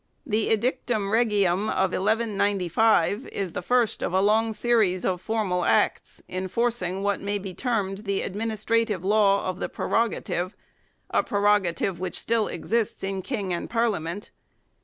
The Edictum Regium of 1195 is the first of a long series of formal acts, enforcing what may be termed the " administrative law " of the pre rogative a prerogative which still exists in King and Parliament.